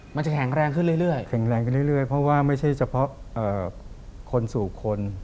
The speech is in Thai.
มันจะแข็งแรงขึ้นเรื่อยแข็งแรงขึ้นเรื่อยเพราะว่าไม่ใช่เฉพาะคนสู่คน